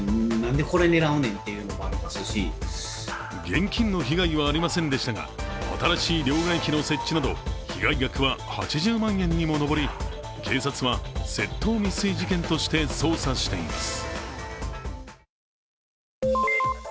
現金の被害はありませんでしたが、新しい両替機の設置など被害額は８０万円にも上り警察は窃盗未遂事件として捜査しています。